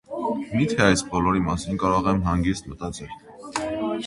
Մի՞թե այս բոլորի մասին կարող եմ հանգիստ մտածել: